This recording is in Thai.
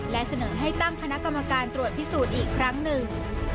และเสนอให้ตั้งคณะกรรมการตรวจพิสูจน์อีกครั้งหนึ่ง